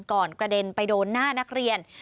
กระเด็นไปโดนหน้านักเรียน